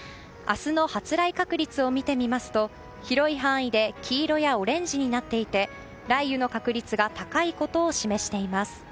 明日の発雷確率を見てみますと広い範囲で黄色やオレンジになっていて雷雨の確率が高いことを示しています。